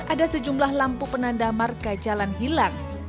ada sejumlah lampu penanda marka jalan hilang